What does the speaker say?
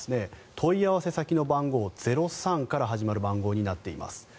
問い合わせ先の番号「０３」から始まる番号になっています。